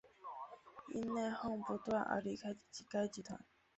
因内哄不断而离开该集团。